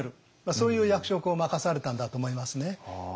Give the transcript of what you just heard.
そういう役職を任されたんだと思いますね。